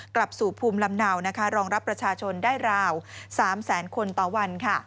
กลับสู่ภูมิลำเนารองรับประชาชนได้ราว๓แสนคนต่อวัน